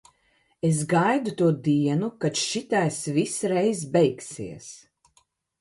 Es gaidu to dienu, kad šitais viss reiz beigsies.